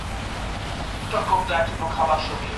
زده کوونکي څنګه د معلوماتو سرچینې ګوري؟